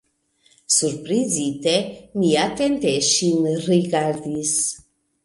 Surprizite, mi atente ŝin rigardis.